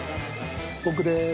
僕です。